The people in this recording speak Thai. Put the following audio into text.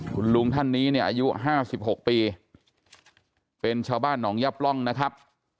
คุณลุงท่านนี้เนี่ยอายุ๕๖ปีเป็นชาวบ้านหนองยะปล่องนะครับ